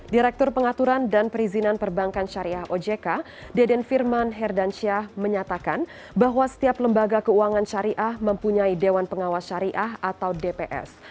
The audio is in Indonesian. direktur pengaturan dan perizinan perbankan syariah ojk deden firman herdansyah menyatakan bahwa setiap lembaga keuangan syariah mempunyai dewan pengawas syariah atau dps